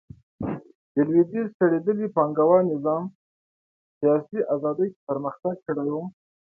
د لوېدیځ شړېدلي پانګوال نظام سیاسي ازادي کې پرمختګ کړی و